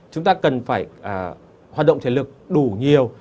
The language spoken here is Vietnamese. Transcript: chúng ta cần phải hoạt động thể lực đủ nhiều